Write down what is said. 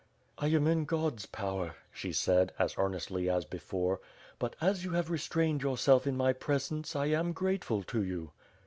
"I am in God's power," she said, as earnestly as before; "but, as you have restrained yourself in my presence, I am grateful to you."